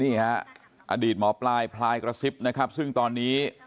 นี่ค่ะอดีตหมอปลายพลายกระซิบซึ่งตอนนี้